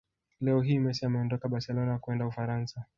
Leo hii Messi ameondoka barcelona kwenda Ufaransa